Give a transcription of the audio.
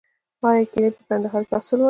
آیا کیلې په ننګرهار کې حاصل ورکوي؟